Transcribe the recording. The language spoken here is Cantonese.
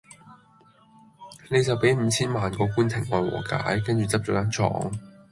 你就比五千萬個官庭外和解，跟住執左間廠